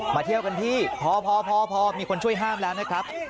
เที่ยวกันที่พอมีคนช่วยห้ามแล้วนะครับ